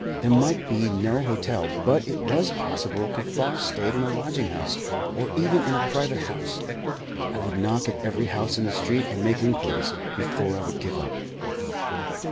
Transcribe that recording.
There might be no hotel, but it was possible Kaffar stayed in a lodging house, or even in a private house. I would knock at every house in the street, and make inquiries, before I would give up.